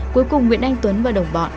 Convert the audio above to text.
cuối cùng nguyễn anh tuấn và đồng bọn